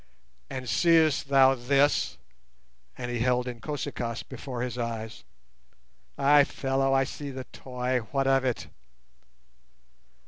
"And seest thou this?" and he held Inkosi kaas before his eyes. "Ay, fellow, I see the toy; what of it?"